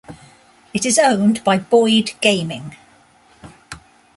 It is owned by Boyd Gaming.